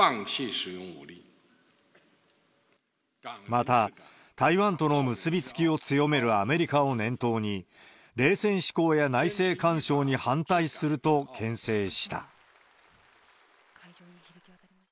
また、台湾との結び付きを強めるアメリカを念頭に、冷戦思考や内政干渉に反対するとけん制した。